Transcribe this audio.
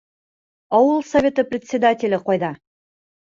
Ауыл Советы председателе ҡайҙа?